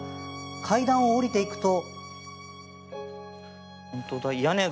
階段を下りていくと。